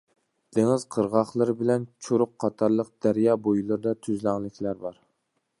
دېڭىز قىرغاقلىرى بىلەن چورۇق قاتارلىق دەريا بويلىرىدا تۈزلەڭلىكلەر بار.